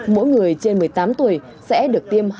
mỗi người trên một mươi tám tuổi sẽ được tiêm